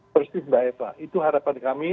persis mbak eva itu harapan kami